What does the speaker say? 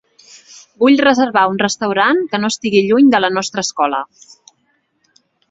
Vull reservar un restaurant que no estigui lluny de la nostra escola.